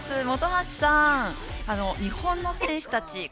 本橋さん、日本の選手たち